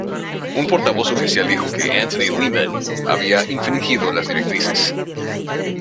Un portavoz oficial dijo que Anthony Lehmann había infringido las directrices.